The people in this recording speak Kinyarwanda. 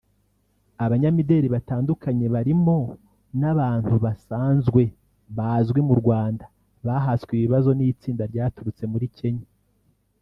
Abanyamideli batandukanye barimo n’abantu baasanzwe bazwi mu Rwanda bahaswe ibibazo n’itsinda ryaturutse muri Kenya